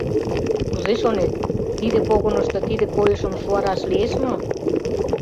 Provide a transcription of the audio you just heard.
— Кузе шонет, тиде погынышто тиде койышым шуараш лиеш мо?